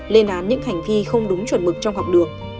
lên án những hành vi không đúng chuẩn mực trong học đường